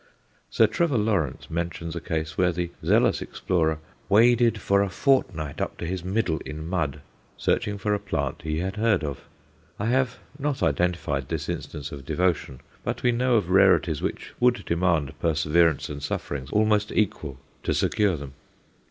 Sir Trevor Lawrence mentions a case where the zealous explorer "waded for a fortnight up to his middle in mud," searching for a plant he had heard of. I have not identified this instance of devotion, but we know of rarities which would demand perseverance and sufferings almost equal to secure them.